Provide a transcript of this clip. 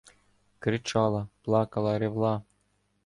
Кричала, плакала, ревла.